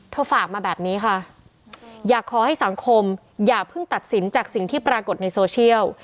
ฝากมาแบบนี้ค่ะอยากขอให้สังคมอย่าเพิ่งตัดสินจากสิ่งที่ปรากฏในโซเชียล